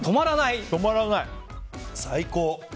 最高！